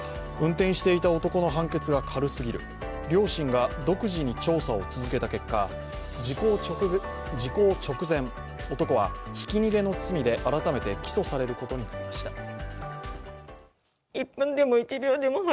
運転していた男の判決が軽すぎる両親が独自に調査を続けた結果時効直前、男はひき逃げの罪で改めて起訴されることになりました。